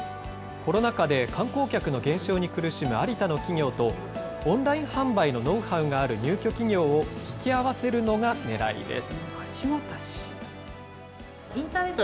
コロナ禍で観光客の減少に苦しむ有田の企業と、オンライン販売のノウハウがある入居企業を引き合わせるのがねらいです。